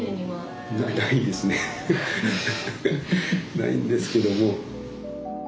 ないんですけども。